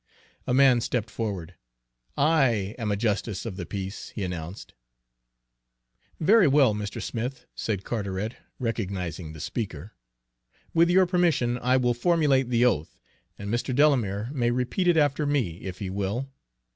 A man stepped forward. "I am a justice of the peace," he announced. "Very well, Mr. Smith," said Carteret, recognizing the speaker. "With your permission, I will formulate the oath, and Mr. Delamere may repeat it after me, if he will.